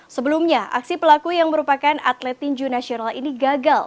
sebelumnya aksi pelaku yang merupakan atletin junasional ini gagal